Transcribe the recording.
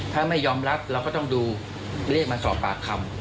ถ้าไม่ยอมรับเราก็ต้องดูเรียกมาสอบปากคำ